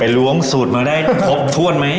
ไปล้วงสูตรตัวนึงมันได้ทบทวนไหม